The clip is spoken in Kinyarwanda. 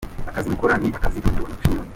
Akazi mukora ni akazi Abanyarwanda dushima.